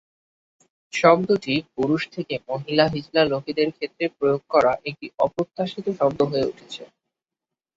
শব্দটি পুরুষ থেকে মহিলা হিজলা লোকেদের ক্ষেত্রে প্রয়োগ করা একটি অপ্রত্যাশিত শব্দ হয়ে উঠেছে।